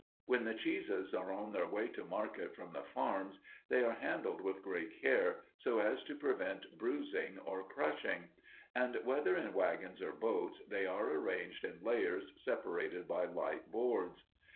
When the cheeses are on their way to market from the farms, they are handled with great care, so as to prevent bruising or crushing; and whether in wagons or boats, they are arranged in layers separated by light boards.